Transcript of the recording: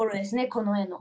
この絵の。